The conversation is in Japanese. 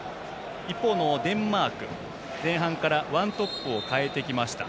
一方のデンマーク前半からワントップを代えてきました。